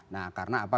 nah karena apa